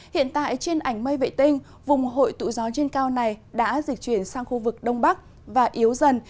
hiện tại trên ảnh mây vệ tinh vùng hội tụ gió trên cao này đã dịch chuyển sang khu vực đông bắc và yếu dần